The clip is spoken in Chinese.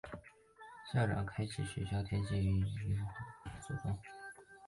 校长开济携学校田洲产物契券赴后方后不知所踪。